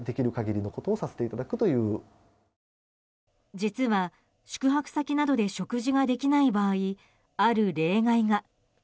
実は、宿泊先などで食事ができない場合ある例外が。